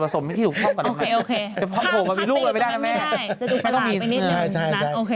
ถ้าเกิดสัก๙โมงก็ยังสาย